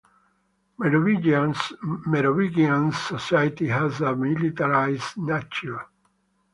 Merovingian society had a militarised nature.